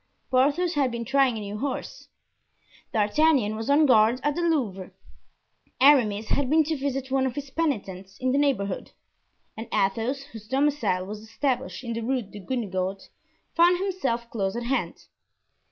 Porthos had been trying a new horse; D'Artagnan was on guard at the Louvre; Aramis had been to visit one of his penitents in the neighborhood; and Athos, whose domicile was established in the Rue Guenegaud, found himself close at hand.